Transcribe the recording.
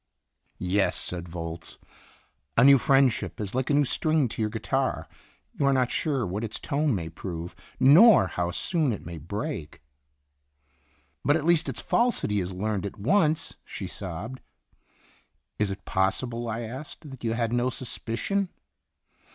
"Yes," said Volz, "a new friendship is like a new string to your guitar you are not sure what its tone may prove, nor how soon it may break." "But at least its falsity is learned at once," she sobbed. "Is it possible," I asked, "that you had no suspicion